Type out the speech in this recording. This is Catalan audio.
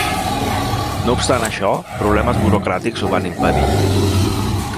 No obstant això, problemes burocràtics ho van impedir.